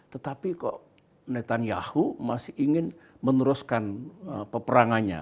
tetapi kok netanyahu masih ingin meneruskan peperangannya